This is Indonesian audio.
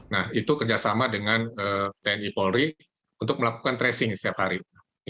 nah itu kerjasama dengan tni polri untuk melakukan tracing setiap hari